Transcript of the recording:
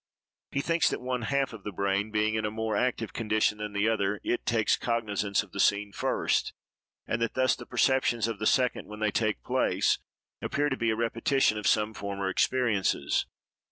He thinks that one half of the brain being in a more active condition than the other, it takes cognizance of the scene first; and that thus the perceptions of the second, when they take place, appear to be a repetition of some former experiences.